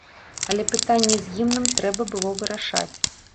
Але пытанне з гімнам трэба было вырашаць.